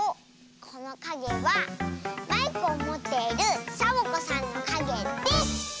このかげはマイクをもっているサボ子さんのかげです！